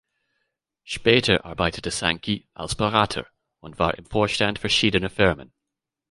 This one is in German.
Später arbeitete Sankey als Berater und war im Vorstand verschiedener Firmen.